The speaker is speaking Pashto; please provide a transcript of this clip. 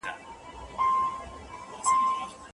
آیا ټاپو تر وچي کوچنی دی؟